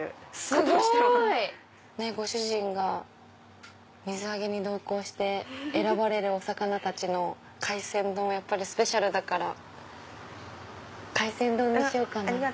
すごい！ご主人が水揚げに同行して選ばれるお魚たちの海鮮丼はやっぱりスペシャルだから海鮮丼にしようかな。